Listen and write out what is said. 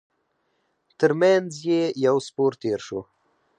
تر مينځ يې يو سپور تېر شو.